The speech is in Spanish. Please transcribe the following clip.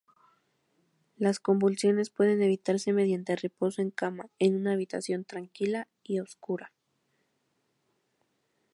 Las convulsiones pueden evitarse mediante reposo en cama, en una habitación tranquila y oscura.